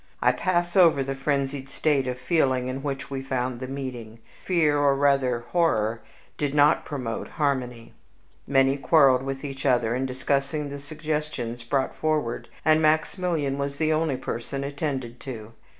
I pass over the frenzied state of feeling in which we found the meeting. Fear, or rather horror, did not promote harmony; many quarreled with each other in discussing the suggestions brought forward, and Maximilian was the only person attended to.